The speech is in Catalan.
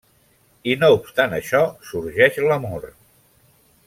I no obstant això, sorgeix l'amor.